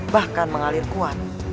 bahkan mengalir kuat